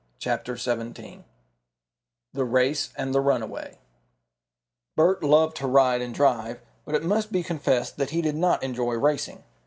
CHAPTER XVII THE RACE AND THE RUNAWAY Bert loved to ride and drive, but it must be confessed that he did not enjoy racing.